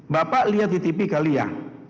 bapak lihat di tv kali ya